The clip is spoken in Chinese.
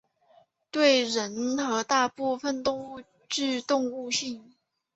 对人和大部分动物具中毒性。